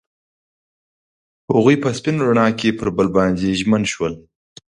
هغوی په سپین رڼا کې پر بل باندې ژمن شول.